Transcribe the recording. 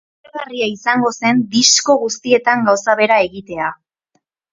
Aspergarria izango zen disko guztietan gauza bera egitea.